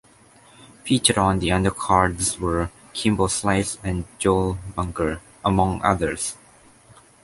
Featured on the undercards were Kimbo Slice and Joel Brunker, among others.